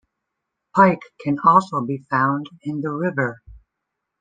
Pike can also be found in the river.